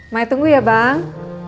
mai tunggu ya bang